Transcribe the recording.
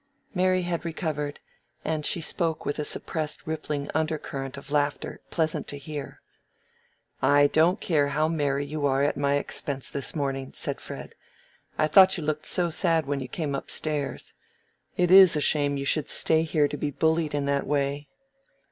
Mary had recovered, and she spoke with a suppressed rippling under current of laughter pleasant to hear. "I don't care how merry you are at my expense this morning," said Fred, "I thought you looked so sad when you came up stairs. It is a shame you should stay here to be bullied in that way."